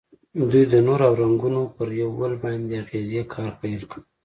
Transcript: دوی د نور او رنګونو پر یو بل باندې اغیزې کار پیل کړ.